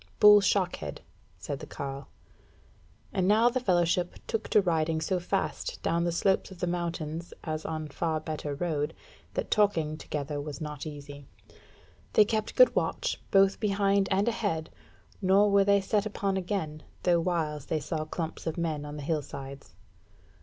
"Bull Shockhead," said the carle. But now the fellowship took to riding so fast down the slopes of the mountains on a far better road, that talking together was not easy. They kept good watch, both behind and ahead, nor were they set upon again, though whiles they saw clumps of men on the hill sides.